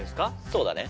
そうだね。